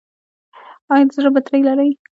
ایا د زړه بطرۍ لرئ؟